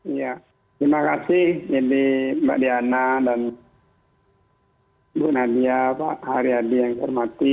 iya terima kasih ini mbak diana dan bu nadia pak haryadi yang saya hormati